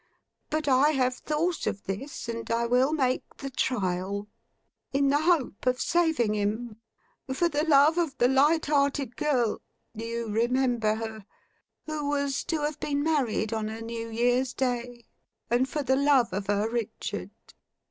But I have thought of this; and I will make the trial. In the hope of saving him; for the love of the light hearted girl (you remember her) who was to have been married on a New Year's Day; and for the love of her Richard."